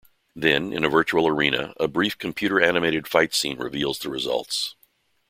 Then, in a virtual arena, a brief computer-animated fight scene reveals the results.